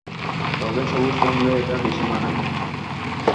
তবে সবুজ রঙে এটা বেশি মানায়।